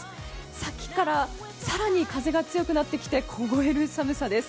さっきから更に風が強くなってきて凍える寒さです。